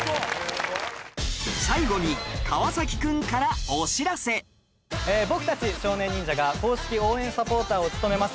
最後に僕たち少年忍者が公式応援サポーターを務めます